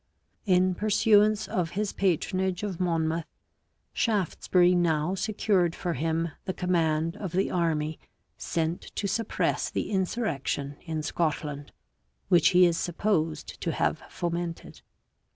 In pursuance of his patronage of Monmouth, Shaftesbury now secured for him the command of the army sent to suppress the insurrection in Scotland, which he is supposed to have fomented.